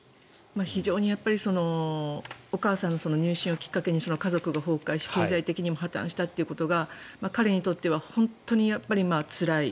非常にお母さんの入信をきっかけに家族が崩壊して、経済的にも破たんしたということが彼にとっては本当につらい。